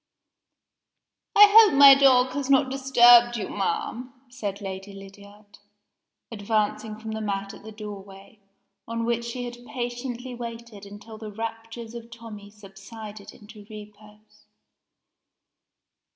"I hope my dog has not disturbed you, ma'am?" said Lady Lydiard, advancing from the mat at the doorway, on which she had patiently waited until the raptures of Tommie subsided into repose.